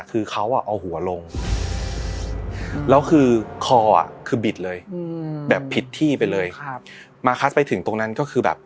คือเขาอ่ะเอาหัวลงแล้วคือคออ่ะคือบิดเลยอยู่